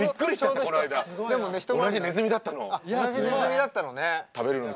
同じねずみだったのね。